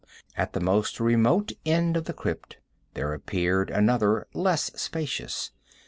At the most remote end of the crypt there appeared another less spacious.